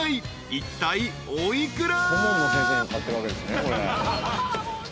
いったいお幾ら？］